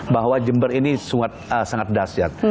bahwa jember ini sangat dasyat